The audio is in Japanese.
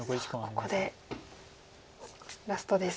さあここでラストです。